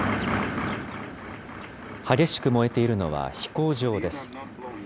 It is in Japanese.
激しく燃えているのは飛行場です。